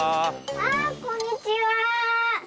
あこんにちは。